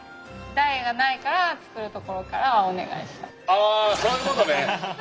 あそういうことね。